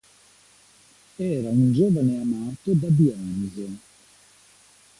Era un giovane amato da Dioniso.